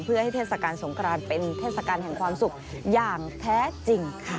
เพื่อให้เทศกาลสงครานเป็นเทศกาลแห่งความสุขอย่างแท้จริงค่ะ